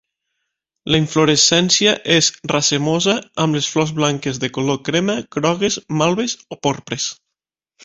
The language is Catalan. La inflorescència és racemosa amb les flors blanques, de color crema, grogues, malves o porpres.